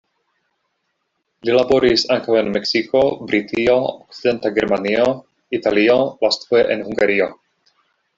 Li laboris ankaŭ en Meksiko, Britio, Okcidenta Germanio, Italio, lastfoje en Hungario.